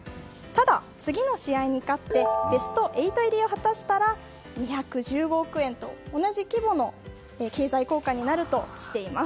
次の試合に勝ってベスト８入りを果たしたら２１５億円と同じ規模の経済効果になるとしています。